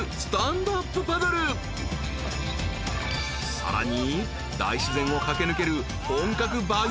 ［さらに］